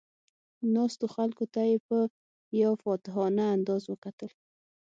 ناستو خلکو ته یې په یو فاتحانه انداز وکتل.